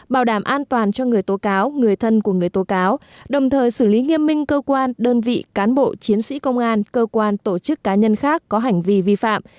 bảo đảm an toàn cho người tố cáo người thân của người tố cáo đồng thời xử lý nghiêm minh cơ quan đơn vị cán bộ chiến sĩ công an cơ quan tổ chức cá nhân khác có hành vi vi phạm